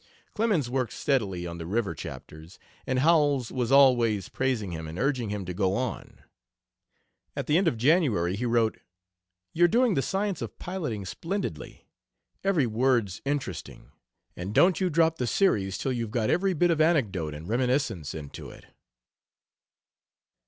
Clemens worked steadily on the river chapters, and Howells was always praising him and urging him to go on. At the end of January he wrote: "You're doing the science of piloting splendidly. Every word's interesting. And don't you drop the series 'til you've got every bit of anecdote and reminiscence into it."